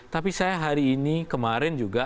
tapi saya hari ini kemarin juga